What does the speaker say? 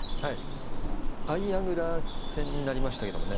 相矢倉戦になりましたけどもね。